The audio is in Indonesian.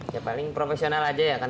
ya paling profesional aja ya kan